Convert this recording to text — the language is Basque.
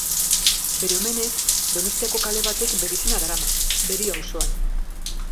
Bere omenez, Donostiako kale batek bere izena darama, Berio auzoan.